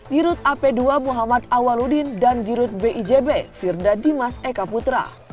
dirut ap dua muhammad awaludin dan dirut bijb firda dimas eka putra